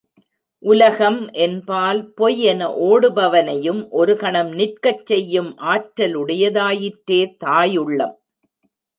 உலகம் என்பால் பொய் என ஓடுபவனைனயம் ஒரு கணம் நிற்கச் செய்யும் ஆற்றலுடையதாயிற்றே தாயுள்ளம்.